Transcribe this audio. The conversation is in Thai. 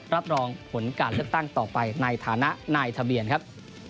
รับรองผลการเลือกตั้งต่อไปในฐานะนายทะเบียนครับ